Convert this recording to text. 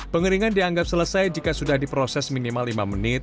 pengeringan dianggap selesai jika sudah diproses minimal lima menit